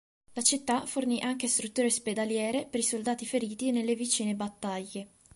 La città fornì anche strutture ospedaliere per i soldati feriti nelle vicine battaglie.